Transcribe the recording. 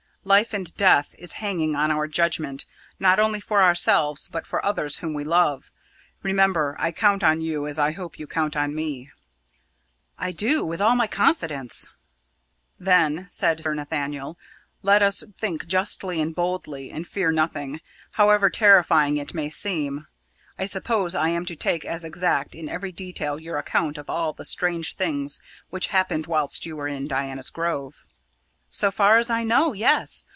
Life and death is hanging on our judgment, not only for ourselves, but for others whom we love. Remember, I count on you as I hope you count on me." "I do, with all confidence." "Then," said Sir Nathaniel, "let us think justly and boldly and fear nothing, however terrifying it may seem. I suppose I am to take as exact in every detail your account of all the strange things which happened whilst you were in Diana's Grove?" "So far as I know, yes.